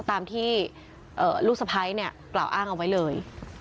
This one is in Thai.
ตามที่ลูกสะพ้ายเนี่ยกล่าวอ้างเอาไว้เลย